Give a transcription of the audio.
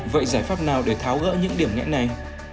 vậy giải pháp nào để tháo gỡ những điểm nghẽn này